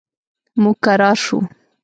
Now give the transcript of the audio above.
موږ کرار شو.